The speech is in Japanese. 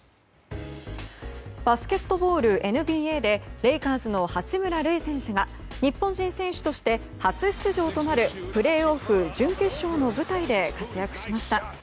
バスケットボールＮＢＡでレイカーズの八村塁選手が日本人選手として初出場となるプレーオフ準決勝の舞台で活躍しました。